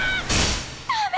ダメ！！